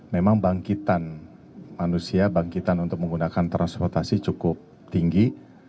memang bangkitan manusia bangkitan untuk menggunakan transportasi cukup tinggi